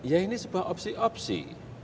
ya ini sebuah opsi opsi